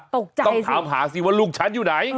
ต้องถามหาสิว่าลูกฉันอยู่ไหน